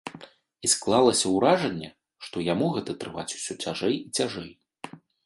І, склалася ўражанне, што яму гэта трываць усё цяжэй і цяжэй.